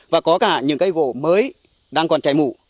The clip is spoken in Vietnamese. và có cả những cây gỗ mới đang còn chảy mủ